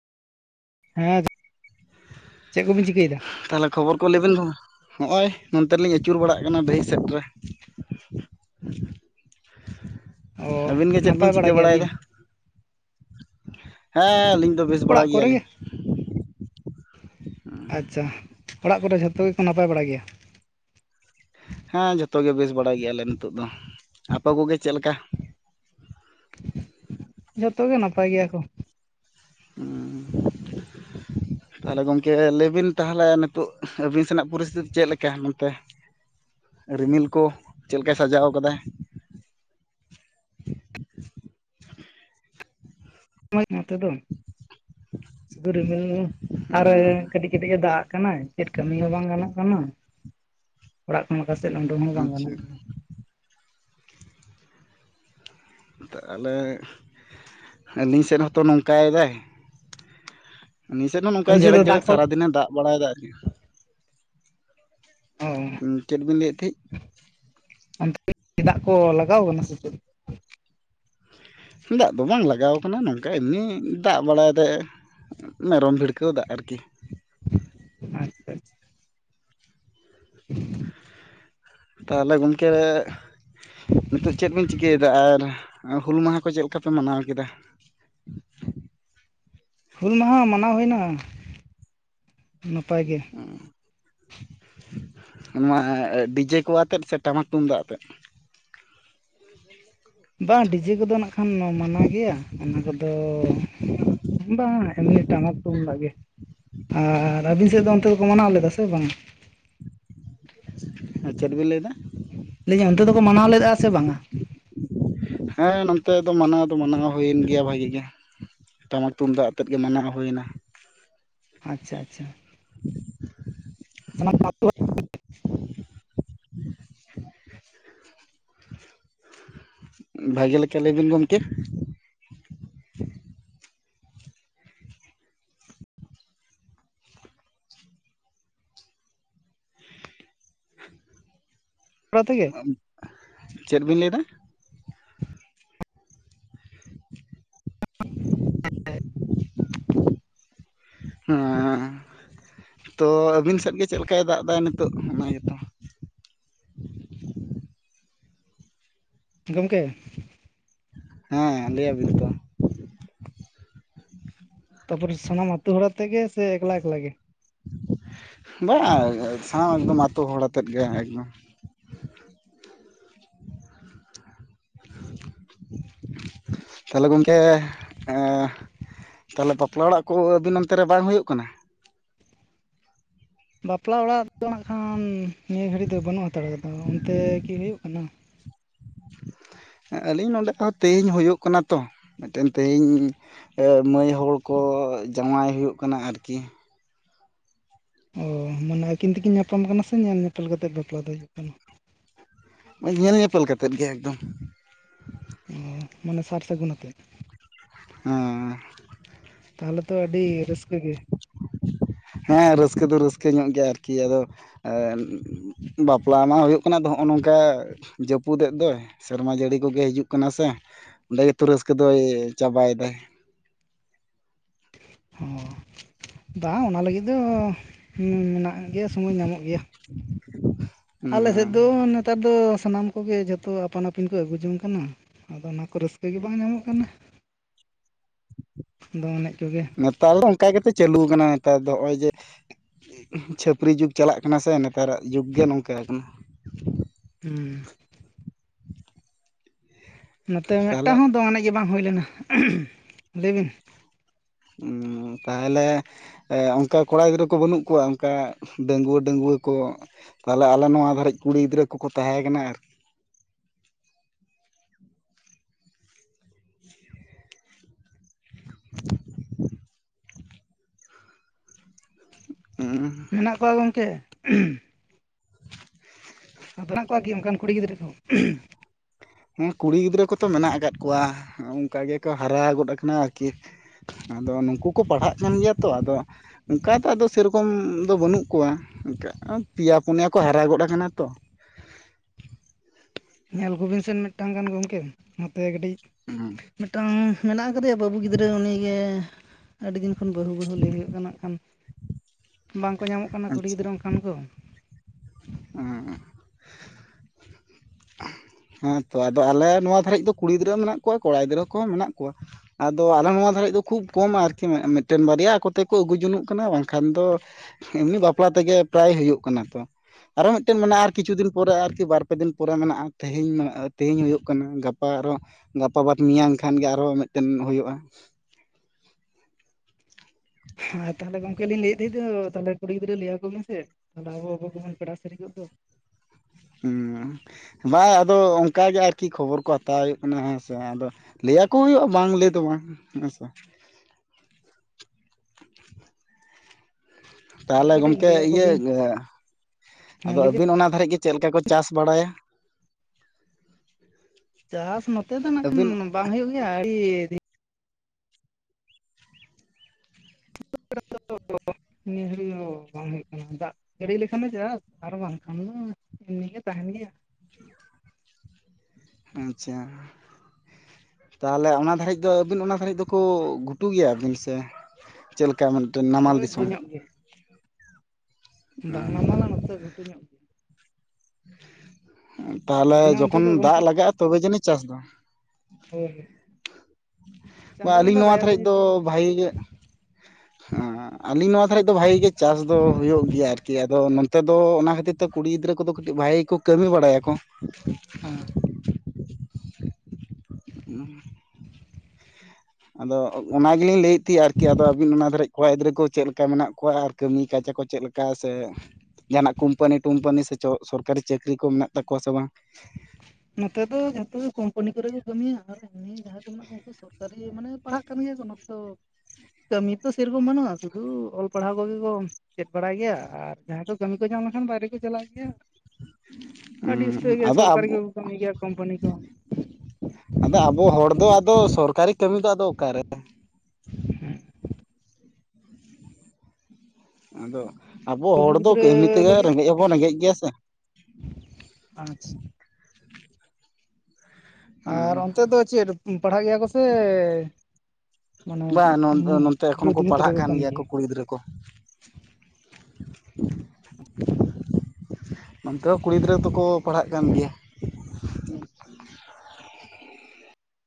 ᱦᱮᱸ᱾ ᱪᱮᱫ ᱠᱚᱵᱤᱱ ᱪᱤᱠᱟᱹᱭ ᱫᱟ? ᱛᱟᱦᱚᱞᱮ ᱠᱷᱚᱵᱚᱨ ᱠᱚ ᱞᱟᱹᱭ ᱵᱮᱱ, [unintelligible] ᱦᱚᱸᱜᱼᱚᱭ ᱱᱚᱱᱛᱮ ᱨᱮᱞᱤᱧ ᱟᱹᱪᱩᱨ ᱵᱟᱲᱟᱜ ᱠᱟᱱᱟ ᱰᱟᱹᱦᱤ ᱥᱮᱫ ᱨᱮ᱾ ᱚ ᱟᱹᱵᱤᱱ ᱜᱮ ᱪᱮᱫ ᱵᱤᱱ ᱱᱟᱯᱟᱭ ᱵᱟᱲᱟ ᱪᱤᱠᱟᱹ ᱵᱟᱲᱟᱭ ᱮᱫᱟ? ᱜᱮᱭᱟᱵᱤᱱ ᱦᱮᱸ ᱟᱹᱞᱤᱧ ᱫᱚ ᱵᱮᱥ ᱵᱟᱲᱟ ᱚᱲᱟᱜ ᱠᱚᱨᱮ ᱜᱮᱭᱟᱞᱤᱧ ᱜᱮ᱾ ᱟᱪᱪᱷᱟ᱾ ᱚᱲᱟᱜ ᱠᱚᱨᱮ ᱡᱷᱚᱛᱚ ᱜᱮᱠᱚ ᱱᱟᱯᱟᱭ ᱵᱟᱲᱟ ᱜᱮᱭᱟ? ᱦᱮᱸ ᱡᱷᱚᱛᱚ ᱜᱮ ᱵᱮᱥ ᱵᱟᱲᱟ ᱜᱮᱭᱟᱞᱮ ᱱᱤᱛᱚᱜ ᱫᱚ᱾ᱟᱯᱮ ᱠᱚᱜᱮ ᱪᱮᱫ ᱞᱮᱠᱟ? ᱡᱚᱛᱚ ᱜᱮ ᱱᱟᱯᱟᱭ ᱜᱮᱭᱟ ᱠᱚ᱾ ᱦᱩᱸ ᱛᱟᱦᱞᱮ ᱜᱚᱝ ᱠᱮ ᱞᱟᱹᱭᱵᱤᱱ ᱛᱟᱦᱚᱞᱮ ᱱᱤᱛᱚᱜ ᱟᱹᱵᱤᱱ ᱥᱮᱱᱟᱜ ᱯᱚᱨᱤᱥᱛᱷᱤᱛᱤ ᱪᱮᱫ ᱞᱮᱠᱟ ᱢᱮᱱᱛᱮ? ᱨᱤᱢᱤᱞ ᱠᱚ ᱪᱮᱫ ᱞᱮᱠᱟᱭ ᱥᱟᱡᱟᱣ ᱟᱠᱟᱫᱟᱭ? [unintelligible] ᱱᱚᱮᱛ ᱫᱚ ᱥᱩᱫᱩ ᱨᱤᱢᱤᱞ ᱟᱨ [unintelligible] ᱠᱟᱹᱴᱤᱡ ᱠᱟᱹᱴᱤᱡ ᱮᱜ ᱫᱟᱜ ᱟᱜ ᱠᱟᱱᱟ, ᱪᱮᱫ ᱠᱟᱹᱢᱤ ᱦᱚᱸ ᱵᱟᱝ ᱜᱟᱱᱚᱜ ᱠᱟᱱᱟ᱾ ᱚᱲᱟᱜ ᱠᱷᱚᱱ ᱚᱠᱟ ᱥᱮᱫ ᱩᱰᱩᱝ ᱦᱚᱸ ᱵᱟᱝ ᱟᱪᱪᱷᱟ ᱜᱟᱱᱚᱜ ᱠᱟᱱᱟ᱾ ᱾ ᱛᱚ ᱟᱞᱮ ᱟᱹᱞᱤᱧ ᱥᱮᱫ ᱦᱚᱸᱛᱚ ᱱᱚᱝᱠᱟᱭᱮᱫᱟᱭ᱾ ᱟᱹᱞᱤᱧ ᱥᱮᱫ ᱦᱚᱸ ᱱᱚᱝᱠᱟ ᱟᱹᱵᱤᱱ ᱫᱚ ᱡᱷᱮᱲᱮᱠ ᱫᱟᱜ ᱡᱷᱮᱲᱮᱠ ᱠᱚ ᱥᱟᱨᱟ ᱫᱤᱱᱮ ᱫᱟᱜ ᱵᱟᱲᱟᱭᱮᱫᱟ ᱟᱨᱠᱤ᱾ ᱚ ᱦᱩᱸ ᱪᱮᱫ ᱵᱤᱱ ᱞᱟᱹᱭᱮᱫ ᱛᱟᱦᱮᱸᱡ? ᱚᱱᱛᱮ ᱫᱟᱜ ᱠᱚ ᱞᱟᱜᱟᱣ ᱟᱠᱟᱱᱟ ᱥᱮ ᱪᱮᱫ? ᱫᱟᱜ ᱫᱚ ᱵᱟᱝ ᱞᱟᱜᱟᱣ ᱠᱟᱱᱟ ᱱᱚᱝᱠᱟ ᱮᱢᱱᱤ ᱫᱟᱜ ᱵᱟᱲᱟᱭᱮᱫᱟᱭ᱾ ᱢᱮᱨᱚᱢ ᱵᱷᱤᱲᱠᱟᱹᱣ ᱫᱟᱜ ᱟᱨᱠᱤ᱾ ᱟᱪᱪᱷᱟ ᱟᱪᱪᱷᱟ᱾ [inaudible] ᱛᱟᱦᱞᱮ ᱜᱚᱢᱠᱮ ᱱᱤᱛᱚᱜ ᱪᱮᱫ ᱵᱤᱱ ᱪᱤᱠᱟᱹᱭᱮᱫᱟ? ᱟᱨ ᱦᱩᱞ ᱢᱟᱦᱟ ᱠᱚ ᱪᱮᱫ ᱞᱮᱠᱟ ᱯᱮ ᱢᱟᱱᱟᱣ ᱠᱮᱫᱟ? ᱦᱩᱞ ᱢᱟᱦᱟ ᱢᱟᱱᱟᱣ ᱦᱩᱭᱮᱱᱟ ᱱᱟᱯᱟᱭ ᱜᱮ᱾ ᱦᱩᱸ, ᱱᱚᱣᱟ ᱰᱤᱡᱮ ᱠᱚ ᱟᱛᱮᱫ ᱥᱮ ᱴᱟᱢᱟᱠ ᱛᱩᱢᱫᱟᱜ ᱟᱛᱮᱫ? ᱵᱟᱝ ᱰᱤᱡᱮ ᱠᱚᱫᱚ ᱱᱟᱜ ᱠᱷᱟᱱ ᱢᱟᱱᱟ ᱜᱮᱭᱟ ᱚᱱᱟ ᱠᱚᱫᱚ ᱵᱟᱝ ᱮᱢᱱᱤ ᱴᱟᱢᱠ ᱛᱩᱢᱫᱟᱜ ᱜᱮ᱾ ᱟᱨ ᱟᱹᱵᱤᱱ ᱥᱮᱫ ᱫᱚ ᱚᱱᱛᱮ ᱫᱚᱠᱚ ᱢᱟᱱᱟᱣ ᱞᱮᱫᱟ ᱥᱮ ᱵᱟᱝᱟ? ᱪᱮᱫ ᱵᱤᱱ ᱞᱟᱹᱭᱫᱟ? ᱞᱟᱹᱭᱫᱟᱹᱧ ᱚᱱᱛᱮ ᱫᱚᱠᱚ ᱢᱟᱱᱟᱣ ᱞᱮᱫ-ᱟ ᱥᱮ ᱵᱟᱝᱟ? ᱦᱮᱸ ᱱᱚᱱᱛᱮ ᱫᱚ ᱢᱟᱱᱟᱣ ᱫᱚ ᱢᱟᱱᱟᱣ ᱦᱩᱭᱮᱱ ᱜᱮᱭᱟ ᱵᱷᱟᱹᱜᱤ ᱜᱮ᱾ ᱴᱟᱢᱟᱠ ᱛᱩᱢᱫᱟᱜ ᱟᱛᱮᱫ ᱜᱮ ᱢᱟᱱᱟᱣ ᱦᱩᱭᱮᱱᱟ᱾ ᱟᱪᱪᱷᱟ ᱟᱪᱪᱷᱟ᱾ ᱥᱟᱱᱟᱢ ᱟᱹᱛᱩ ᱦᱚᱲ? ᱵᱷᱟᱜᱮ ᱞᱮᱠᱟ ᱞᱟᱹᱭ ᱵᱤᱱ ᱜᱚᱢᱠᱮ᱾ ᱟᱛᱳ ᱛᱮᱜᱮ ᱪᱮᱫ ᱵᱤᱱ ᱞᱟᱹᱭᱫᱟ? ᱦᱮᱸ ᱛᱚ ᱟᱹᱵᱤᱱ ᱥᱮᱫ ᱜᱮ ᱪᱮᱫ ᱞᱮᱠᱟᱭ ᱫᱟᱜ ᱮᱫᱟ ᱱᱤᱛᱳᱜ ᱚᱱᱟ ᱜᱮ ᱛᱚ? ᱜᱚᱝᱠᱮ ᱦᱮᱸ ᱞᱟᱹᱭᱟᱵᱤᱱ ᱛᱚ᱾ ᱛᱟᱯᱚᱨᱮ ᱥᱟᱱᱟᱢ ᱟᱹᱛᱩ ᱦᱚᱲ ᱟᱛᱮ ᱜᱮ ᱥᱮ ᱮᱠᱞᱟ ᱮᱠᱞᱟ ᱜᱮ? ᱵᱟᱝ ᱥᱟᱱᱟᱢ ᱮᱠᱫᱚᱢ ᱟᱛᱳ ᱦᱚᱲ ᱟᱛᱮᱫ ᱜᱮ ᱮᱠᱫᱚᱢ᱾ [inaudible] ᱛᱟᱦᱞᱮ ᱜᱚᱝᱠᱮ ᱮᱸᱻ ᱛᱟᱦᱞᱮ ᱵᱟᱯᱞᱟ ᱚᱲᱟᱜ ᱠᱚ ᱟᱹᱵᱤᱱ ᱚᱱᱛᱮ ᱨᱮ ᱵᱟᱝ ᱦᱩᱭᱩᱜ ᱠᱟᱱᱟ? ᱵᱟᱯᱞᱟ ᱚᱲᱟᱜ ᱫᱚ ᱦᱟᱸᱜ ᱠᱷᱟᱱ ᱱᱤᱭᱟᱹ ᱜᱷᱟᱹᱲᱤᱡ ᱫᱚ ᱵᱟᱹᱱᱩᱜ ᱦᱟᱛᱟᱲ ᱠᱟᱫᱟ᱾ ᱚᱱᱛᱮ ᱠᱤ ᱦᱩᱭᱩᱜ ᱠᱟᱱᱟ? ᱟᱹᱞᱤᱧ ᱱᱚᱰᱮ ᱢᱟ ᱛᱤᱦᱤᱧ ᱦᱩᱭᱩᱜ ᱠᱟᱱᱟ ᱛᱚ᱾ ᱢᱤᱫ ᱴᱮᱱ ᱛᱮᱦᱮᱧ ᱢᱟᱹᱭ ᱦᱚᱲ ᱠᱚ ᱡᱟᱶᱟᱭ ᱦᱳᱭᱳᱜ ᱠᱟᱱᱟ ᱟᱨᱠᱤ ᱚ ᱢᱟᱱᱮ ᱟᱹᱠᱤᱱ ᱛᱮ ᱠᱤᱱ ᱧᱟᱯᱟᱢ ᱠᱟᱱᱟ ᱥᱮ ᱧᱮᱞ ᱧᱮᱯᱮᱞ ᱠᱟᱛᱮ ᱵᱟᱯᱞᱟ ᱫᱚ ᱦᱩᱭᱩᱜ ᱠᱟᱱᱟ ᱧᱮᱞ ᱧᱮᱯᱮᱞ ᱠᱟᱛᱮᱫ ᱜᱮ ᱮᱠᱫᱚᱢ ᱚ ᱢᱟᱱᱮ ᱥᱟᱨ ᱥᱟᱹᱜᱩᱱ ᱟᱛᱮᱫ ᱦᱮᱸ ᱛᱟᱦᱞᱮ ᱛᱚ ᱟᱹᱰᱤ ᱨᱟᱹᱥᱠᱟᱹ ᱜᱮ ᱦᱮᱸ ᱨᱟᱹᱥᱠᱟᱹ ᱫᱚ ᱨᱟᱹᱥᱠᱟᱹ ᱧᱚᱜ ᱜᱮ ᱟᱨᱠᱤ ᱟᱫᱚ ᱵᱟᱯᱞᱟ ᱢᱟ ᱦᱳᱭᱳᱜ ᱠᱟᱱᱟ ᱦ-ᱚ ᱱᱚᱝᱠᱟ ᱡᱟᱹᱯᱩᱫ ᱫᱮᱜ ᱫᱚᱭ ᱥᱮᱨᱢᱟ ᱡᱟᱹᱲᱤ ᱠᱚ ᱜᱮ ᱦᱤᱡᱩᱜ ᱠᱟᱱᱟ ᱥᱮ ᱚᱸᱰᱮ ᱜᱮ ᱛᱚ ᱨᱟᱹᱥᱠᱟᱹ ᱫᱚᱭ ᱪᱟᱵᱟᱭ ᱫᱟᱭ ᱚ ᱵᱟᱝ ᱚᱱᱟ ᱞᱟᱹᱜᱤᱫ ᱫᱚ ᱢᱮᱱᱟᱜ ᱜᱮᱭᱟ ᱥᱚᱢᱳᱭ ᱧᱟᱢᱚᱜ ᱜᱮᱭᱟ ᱟᱞᱮ ᱥᱮᱫ ᱫᱚ ᱱᱮᱛᱟᱨ ᱫᱚ ᱥᱟᱱᱟᱢ ᱠᱚᱜᱮ ᱡᱷᱚᱛᱚ ᱟᱯᱟᱱ ᱟᱹᱯᱤᱱ ᱠᱚ ᱟᱹᱜᱩ ᱡᱚᱝ ᱠᱟᱱᱟ ᱟᱫᱚ ᱚᱱᱟ ᱠᱚ ᱨᱟᱹᱥᱠᱟᱹ ᱜᱮ ᱵᱟᱝ ᱧᱟᱢᱚᱜ ᱠᱟᱱᱟ ᱫᱚᱝ ᱮᱱᱮᱡ ᱠᱚᱜᱮ ᱱᱮᱛᱟᱨ ᱫᱚ ᱚᱱᱠᱟ ᱜᱮᱛᱚ ᱪᱟᱹᱞᱩ ᱠᱟᱱᱟ ᱦᱮᱛᱟᱨ ᱫᱚ ᱦᱚᱜ-ᱚᱭ ᱡᱮ ᱪᱷᱟᱹᱯᱨᱤ ᱡᱩᱜᱽ ᱪᱟᱞᱟᱜ ᱠᱟᱱᱟ ᱥᱮ ᱱᱮᱛᱟ ᱨᱟᱜ ᱡᱩᱜᱽ ᱜᱮ ᱱᱚᱝᱠᱟ ᱟᱠᱟᱱᱟ ᱦᱩᱸ ᱱᱚᱛᱮ ᱢᱮᱫ ᱛᱟᱦᱚᱞᱮ ᱴᱟᱝ ᱦᱚᱸ ᱫᱚᱝ ᱮᱱᱮᱡ ᱜᱮ ᱵᱟᱝ ᱦᱩᱭ ᱞᱮᱱᱟ ᱞᱟᱹᱭ ᱵᱤᱱ ᱛᱟᱦᱞᱮ ᱚᱱᱠᱟ ᱠᱚᱲᱟ ᱜᱤᱫᱽᱨᱟᱹ ᱠᱚ ᱵᱟᱹᱱᱩᱜ ᱠᱚᱣᱟ ᱚᱱᱠᱟ ᱰᱟᱹᱝᱜᱩᱣᱟᱹ ᱰᱟᱹᱝᱜᱩᱣᱟᱹ ᱠᱚ ᱛᱟᱦᱞᱮ ᱟᱞᱮ ᱱᱚᱣᱟ ᱫᱷᱟᱨᱮᱡ ᱠᱩᱲᱤ ᱜᱤᱫᱽᱨᱟᱹ ᱠᱚ ᱠᱚ ᱛᱟᱦᱮᱸ ᱠᱟᱱᱟ ᱟᱨᱠ ᱦᱩᱸ ᱦᱮᱱᱟᱜ ᱠᱚᱣᱟ ᱜᱚᱝᱠᱮ ᱚᱱᱛᱮ ᱦᱮᱱᱟᱜ ᱠᱚᱣᱟ ᱠᱤ ᱚᱱᱠᱟᱱ ᱠᱩᱲᱤ ᱜᱤᱫᱽᱨᱟᱹ ᱠᱚ ᱦᱮᱸ ᱠᱩᱲᱤ ᱜᱤᱫᱽᱨᱟᱹ ᱠᱚ ᱛᱚ ᱢᱮᱱᱟᱜ ᱟᱠᱟᱫ ᱠᱚᱣᱟ ᱚᱱᱠᱟ ᱜᱮ ᱠᱚ ᱦᱟᱨᱟ ᱜᱚᱫ ᱟᱠᱟᱱᱟ ᱟᱨᱠᱤ ᱟᱫᱚ ᱱᱩᱝᱠᱩ ᱠᱚ ᱯᱟᱲᱦᱟᱜ ᱠᱟᱱ ᱜᱮᱭᱟ ᱛᱚ ᱟᱫᱚ ᱚᱱᱠᱟ ᱫᱚ ᱟᱫᱚ ᱥᱮ ᱨᱚᱠᱚᱢ ᱫᱚ ᱵᱟᱹᱱᱩᱜ ᱠᱚᱣᱟ ᱯᱮ ᱭᱟ ᱯᱩᱱᱭᱟ ᱠᱚ ᱦᱟᱨᱟ ᱜᱚᱫ ᱟᱠᱟᱱᱟ ᱛᱚ ᱧᱮᱞ ᱠᱚ ᱵᱤᱱ ᱥᱮ ᱢᱮᱫ ᱴᱟᱝ ᱜᱟᱱ ᱜᱚᱢᱠᱮ ᱱᱚᱛᱮ ᱠᱟᱹᱴᱤᱡ ᱦᱩᱸ ᱢᱮᱫ ᱴᱟᱱ ᱢᱮᱱᱟᱜ ᱠᱟᱫᱮ ᱭᱟ ᱵᱟᱹᱵᱩ ᱜᱤᱫᱽᱨᱟᱹ ᱩᱱᱤ ᱜᱮ ᱟᱹᱰᱤ ᱫᱤᱱ ᱠᱷᱚᱱ ᱵᱟᱹᱦᱩ ᱵᱟᱹᱦᱩ ᱞᱟᱹᱭ ᱦᱳᱭᱳᱜ ᱠᱟᱱᱟ ᱱᱟᱜ ᱠᱷᱟᱱ ᱵᱟᱝᱠᱚ ᱧᱟᱢᱚᱜ ᱠᱟᱱᱟ ᱠᱩᱲᱤ ᱟᱪᱪᱷᱟ ᱜᱤᱫᱽᱨᱟᱹ ᱚᱱᱠᱟᱱ ᱠᱚ [unintelligible] ᱦᱮᱸ ᱛᱚ ᱟᱫᱚ ᱟᱞᱮ ᱱᱚᱣᱟ ᱫᱷᱟᱹᱨᱤᱡ ᱫᱚ ᱠᱩᱲᱤ ᱜᱤᱫᱽᱨᱟᱹ ᱦᱚ ᱢᱮᱱᱟᱜ ᱠᱚᱣᱟ ᱠᱚᱲᱟ ᱜᱤᱫᱽᱨᱟᱹ ᱠᱚ ᱦᱚᱸ ᱢᱮᱱᱟᱜ ᱠᱚᱣᱟ ᱟᱫᱚ ᱟᱞᱮ ᱱᱚᱣᱟ ᱫᱷᱟᱨᱮ ᱫᱚ ᱠᱷᱩᱵᱽ ᱠᱚᱢ ᱟᱨ ᱠᱤ ᱢᱮᱫ ᱴᱮᱱ ᱵᱟᱨᱭᱟ ᱟᱠᱚ ᱛᱮ ᱠᱚ ᱟᱹᱜᱩ ᱡᱚᱱᱚᱜ ᱠᱟᱱᱟ ᱵᱟᱝ ᱠᱷᱟᱱ ᱫᱚ ᱮᱢᱱᱤ ᱵᱟᱯᱞᱟ ᱛᱮ ᱜᱮ ᱯᱨᱟᱭ ᱦᱩᱭᱩᱜ ᱠᱟᱱᱟ ᱛᱚ ᱟᱨᱚ ᱢᱮᱫ ᱴᱮᱱ ᱢᱮᱱᱟᱜ-ᱟ ᱟᱨ ᱠᱤᱪᱷᱩ ᱫᱤᱱ ᱯᱚᱨᱮ ᱟᱨ ᱠᱤ ᱵᱟᱨ ᱯᱮ ᱫᱤᱱ ᱯᱚᱨᱮ ᱢᱮᱱᱟᱜ-ᱟ ᱛᱮᱦᱮᱧ ᱛᱮᱦᱮᱧ ᱦᱩᱭᱳᱜ ᱠᱟᱱᱟ ᱜᱟᱯᱟ ᱟᱨᱚ ᱜᱟᱯᱟ ᱵᱟᱫ ᱢᱮᱭᱟᱝ ᱠᱷᱟᱱ ᱜᱮ ᱟᱨ ᱦᱚ ᱢᱮᱫ ᱴᱮᱱ ᱦᱳᱭᱳᱜ-ᱟ ᱦᱮᱸ ᱛᱟᱦᱞᱮ ᱜᱚᱝᱠᱮ ᱞᱟᱹᱭ ᱮᱫ ᱛᱟᱦᱮᱸᱫ ᱫᱚ ᱛᱟᱦᱞᱮ ᱠᱩᱲᱤ ᱜᱤᱫᱽᱨᱟᱹ ᱞᱟᱹᱭᱟᱠᱚ ᱵᱤᱱ ᱥᱮ ᱛᱟᱦᱞᱮ ᱟᱵᱚ ᱟᱵᱚ ᱜᱮᱵᱚᱱ ᱯᱮᱲᱟ ᱥᱟᱹᱨᱤ ᱠᱚᱜ ᱫᱚ ᱦᱮᱸ ᱵᱟᱭ ᱟᱫᱚ ᱚᱱᱠᱟ ᱜᱮ ᱟᱨᱠᱤ ᱠᱷᱚᱵᱚᱨ ᱠᱚ ᱦᱟᱛᱟᱣ ᱦᱳᱭᱳᱜ ᱠᱟᱱᱟ ᱦᱮᱸ ᱥᱮ ᱟᱫᱚ ᱞᱟᱹᱭ ᱟᱠᱚ ᱦᱳᱭᱳᱜ-ᱟ ᱵᱟᱝ ᱞᱟᱹᱭ ᱫᱚ ᱵᱟᱝ ᱦᱮᱸ ᱥᱮᱸ ᱦᱳᱭ ᱛᱟᱦᱚᱞᱮ ᱠᱟᱹᱴᱤᱡ ᱜᱚᱢᱠᱮ ᱞᱟᱹᱭᱟᱠᱚ ᱤᱭᱟᱹ ᱵᱤᱱ ᱦᱮᱸ ᱟᱫᱚ ᱞᱟᱹᱭᱵᱤᱱ ᱟᱹᱵᱤᱱ ᱚᱱᱟ ᱫᱷᱟᱨᱮᱡ ᱜᱮ ᱪᱮᱫ ᱞᱮᱠᱟ ᱠᱚ ᱪᱟᱥ ᱵᱟᱲᱟᱭᱟ? ᱪᱟᱥ ᱱᱚᱛᱮ ᱫᱚ ᱱᱟᱜ ᱠᱷᱟᱱ ᱟᱹᱵᱤᱱ ᱵᱟᱝ ᱦᱳᱭᱳᱜ ᱜᱮᱭᱟ ᱟᱹᱲᱤ ᱫᱷᱤ [inaudible] [unintelligible] ᱵᱟᱝ ᱦᱩᱭᱩᱜ ᱠᱟᱱᱟ ᱫᱟᱜ ᱡᱟᱹᱲᱤ ᱞᱮᱠᱷᱟᱱᱮ ᱪᱟᱥ ᱟᱨ ᱵᱟᱝᱠᱷᱟᱱ ᱫᱚ ᱮᱢᱱᱤ ᱜᱮ ᱛᱟᱦᱮᱱ ᱜᱮᱭᱟ᱾ ᱟᱪᱷᱟ ᱛᱟᱦᱚᱞᱮ ᱚᱱᱟ ᱫᱷᱟᱨᱮᱡ ᱫᱚ ᱟᱹᱵᱤᱱ ᱚᱱᱟ ᱫᱷᱟᱨᱮᱡ ᱫᱚᱠᱚ ᱜᱷᱩᱴᱩ ᱜᱮᱭᱟᱵᱤᱱ ᱥᱮ ᱪᱮᱫ ᱞᱮᱠᱟ ᱢᱮᱱ ᱦᱳᱭ ᱧᱚᱜ ᱜᱮ ᱵᱟᱝ ᱱᱟᱢᱟᱞᱟ ᱱᱚᱛᱮ ᱜᱷᱩᱴᱩ ᱧᱚᱜ ᱜᱮ ᱛᱟᱦᱞᱮ ᱟᱹᱵᱤᱱᱟᱜ ᱚᱱᱛᱮ ᱡᱚᱠᱷᱚᱱ ᱫᱚ ᱫᱟᱜ ᱜᱚᱢᱠᱮ ᱞᱟᱜᱟᱜ-ᱟ ᱛᱚᱵᱮ ᱡᱟᱹᱱᱤᱡ ᱪᱟᱥ ᱫᱚ᱾ ᱦᱳᱭ ᱵᱟ ᱪᱟᱸᱫᱳ ᱟᱹᱞᱤᱧ ᱵᱚᱸᱜᱟ ᱱᱚᱣᱟ ᱫᱟᱭᱟᱛᱮ ᱫᱷᱟᱨᱮᱡ ᱫᱚ ᱡᱩᱫᱤ ᱵᱷᱟᱜᱤ ᱜᱮ ᱟᱹᱞᱤᱧ ᱱᱚᱣᱟ ᱫᱷᱟᱹᱨᱤᱡ ᱫᱚ ᱵᱷᱟᱜᱤ ᱜᱮ ᱪᱟᱥ ᱫᱚ ᱦᱩᱭᱩᱜ ᱜᱮᱭᱟ ᱟᱨᱠᱤ, ᱟᱫᱚ ᱱᱚᱛᱮ ᱫᱚ ᱚᱱᱟ ᱠᱷᱟᱹᱛᱤᱨ ᱛᱮ ᱠᱩᱲᱤ ᱜᱤᱫᱽᱨᱟᱹ ᱠᱚᱫᱚ ᱠᱟᱹᱴᱤᱡ ᱵᱷᱟᱜᱤ ᱠᱚ ᱠᱟᱹᱢᱤ ᱵᱟᱲᱟᱭᱟᱠᱚ᱾ ᱦᱮᱸ᱾ [inaudible] ᱟᱫᱚ ᱚᱱᱟ ᱜᱮᱞᱤᱧ ᱞᱟᱹᱭᱮᱫ ᱛᱟᱦᱮᱸᱫ, ᱟᱨᱠᱤ ᱟᱫᱚ ᱟᱹᱵᱤᱱ ᱚᱱᱟ ᱫᱷᱟᱨᱤᱡ ᱠᱚᱲᱟ ᱜᱤᱫᱽᱨᱟᱹ ᱠᱚ ᱪᱮᱫ ᱞᱮᱠᱟ ᱢᱮᱱᱟᱜ ᱠᱚᱣᱟ ᱟᱨ ᱠᱟᱹᱢᱤ ᱠᱟᱡ ᱟᱠᱚ ᱪᱮᱫ ᱞᱮᱠᱟ, ᱥᱮ ᱡᱟᱦᱟᱸᱱᱟᱜ ᱠᱳᱢᱯᱟᱱᱤ ᱴᱳᱢᱯᱟᱱᱤ ᱥᱮ ᱥᱚᱨᱠᱟᱨᱤ ᱪᱟᱹᱠᱨᱤ ᱠᱚ ᱢᱮᱱᱟᱜ ᱛᱟᱠᱚᱣᱟ ᱥᱮ ᱵᱟᱝ? ᱱᱚᱛᱮ ᱫᱚ ᱡᱷᱚᱛᱚ ᱜᱮ ᱠᱚᱢᱯᱟᱱᱤ ᱠᱚᱨᱮ ᱠᱚ ᱠᱟᱹᱢᱤᱭᱟ ᱟᱨ ᱮᱢᱱᱤ ᱡᱟᱦᱟᱸᱭ ᱠᱚ ᱢᱮᱱᱟᱜ ᱠᱚ ᱩᱱᱠᱩ ᱥᱚᱨᱠᱟᱨᱤ ᱢᱟᱱᱮ ᱯᱟᱲᱦᱟᱜ ᱠᱟᱱ ᱜᱮᱭᱟ ᱠᱚ [unintelligible] ᱠᱟᱹᱢᱤ ᱛᱚ ᱥᱮᱨᱚᱠᱚᱢ ᱵᱟᱹᱱᱩᱜᱼᱟ, ᱥᱩᱫᱩ ᱚᱞ ᱯᱟᱲᱦᱟᱣ ᱠᱚᱜᱮ ᱠᱚ ᱪᱮᱫ ᱵᱟᱲᱟᱭ ᱜᱮᱭᱟ ᱟᱨ ᱡᱟᱦᱟᱸᱭ ᱠᱚ ᱠᱟᱹᱢᱤ ᱠᱚ ᱧᱟᱢ ᱞᱮᱠᱷᱟᱱ ᱵᱟᱭᱨᱮ ᱠᱚ ᱪᱟᱞᱟᱜ ᱜᱮᱭᱟ᱾ ᱟᱹᱰᱤ ᱩᱥᱛᱟᱹᱭ ᱜᱮ ᱥᱚᱨᱠᱟᱨᱤ ᱟᱫᱚ ᱠᱚ ᱠᱟᱹᱢᱤ ᱜᱮᱭᱟ, ᱠᱳᱢᱯᱟᱱᱤ ᱠᱚ᱾ ᱟᱫᱚ ᱟᱵᱚ ᱦᱚᱲ ᱫᱚ ᱟᱫᱚ ᱥᱚᱨᱠᱟᱨᱤ ᱠᱟᱹᱢᱤ ᱫᱚ ᱟᱫᱚ ᱚᱠᱟᱨᱮ, ᱟᱫᱚ, ᱟᱵᱚ ᱦᱚᱲ ᱫᱚ ᱜᱤᱫᱽᱨᱟᱹ ᱠᱟᱹ ᱮᱢᱱᱤ ᱛᱮᱜᱮ ᱞᱟᱹᱜᱤᱫ ᱨᱮᱸᱜᱮᱡ ᱦᱚᱸᱵᱚᱱ ᱨᱮᱸᱜᱮᱡ ᱜᱮᱭᱟ ᱥᱮ᱾ ᱟᱪᱪᱷᱟ᱾ ᱟᱨ ᱦᱮᱸ ᱚᱱᱛᱮ ᱫᱚ ᱪᱮᱫ, ᱯᱟᱲᱦᱟᱜ ᱜᱮᱭᱟ ᱠᱚ ᱥᱮ? ᱢᱟᱱᱮ ᱵᱟᱝ ᱱᱚᱱ ᱱᱚᱱᱛᱮ ᱮᱠᱷᱚᱱ ᱵᱟᱹᱫᱽ ᱠᱚ ᱵᱷᱤᱛ ᱯᱟᱲᱦᱟᱜ ᱨᱮᱠᱚ ᱠᱟᱱ ᱠᱟᱹᱢᱤ ᱜᱮᱭᱟ ᱠᱚ ᱠᱩᱲᱤ ᱜᱤᱫᱽᱨᱟᱹ ᱠᱚ᱾ [inaudible] ᱱᱚᱱᱛᱮ ᱦᱚᱸ ᱠᱩᱲᱤ ᱜᱤᱫᱽᱨᱟᱹ ᱫᱚᱠᱚ ᱯᱟᱲᱦᱟᱜ ᱠᱟᱱ ᱜᱮᱭᱟ᱾ [inaudible]